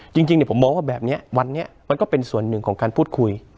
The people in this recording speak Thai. จริงผมมองว่าแบบนี้วันนี้มันก็เป็นส่วนหนึ่งของการพูดคุย